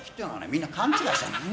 みんな勘違いしてるんだよ。